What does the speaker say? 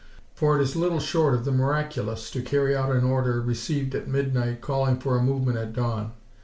For it is little short of the miraculous to carry out an order, received at midnight, calling for a movement at dawn.